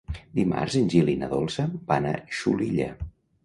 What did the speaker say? Dimarts en Gil i na Dolça van a Xulilla.